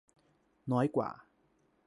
น้อยกว่า